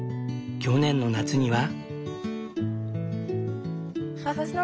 去年の夏には。